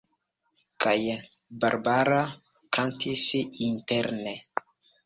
Kaj Barbara kantis interne.